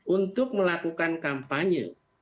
untuk melakukan kampanye